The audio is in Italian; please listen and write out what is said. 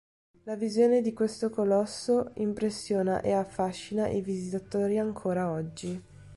La visione di questo colosso impressiona e affascina i visitatori ancora oggi.